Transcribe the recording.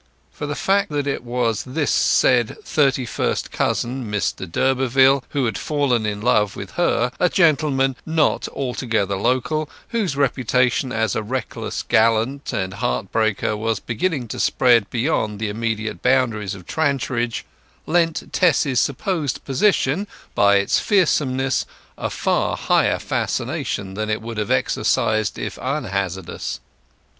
For the fact that it was this said thirty first cousin, Mr d'Urberville, who had fallen in love with her, a gentleman not altogether local, whose reputation as a reckless gallant and heartbreaker was beginning to spread beyond the immediate boundaries of Trantridge, lent Tess's supposed position, by its fearsomeness, a far higher fascination that it would have exercised if unhazardous.